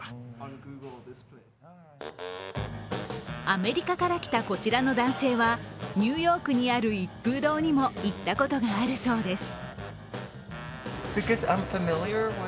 アメリカから来たこちらの男性はニューヨークにある一風堂にも行ったことがあるそうです。